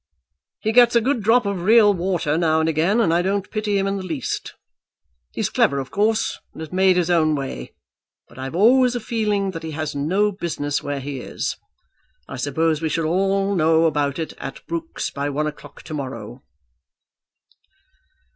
"He gets a good drop of real water now and again, and I don't pity him in the least. He's clever of course, and has made his own way, but I've always a feeling that he has no business where he is. I suppose we shall know all about it at Brooks's by one o'clock to morrow."